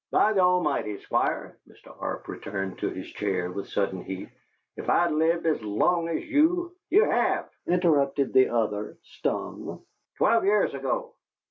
"By the Almighty, Squire" Mr. Arp turned in his chair with sudden heat "if I'd lived as long as you " "You have," interrupted the other, stung. "Twelve years ago!"